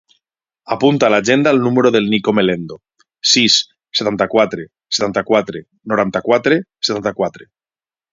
Apunta a l'agenda el número del Nico Melendo: sis, setanta-quatre, setanta-quatre, noranta-quatre, setanta-quatre.